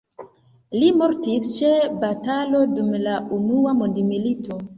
Li mortis ĉe batalo dum la unua mondmilito.